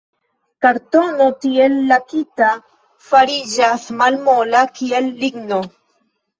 Kartono, tiel lakita, fariĝas malmola, kiel ligno.